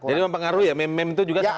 jadi mempengaruhi ya meme meme itu juga